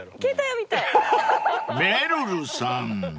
［めるるさん］